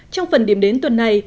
trong phần điểm đến tuần này